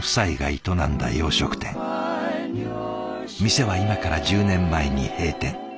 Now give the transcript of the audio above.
店は今から１０年前に閉店。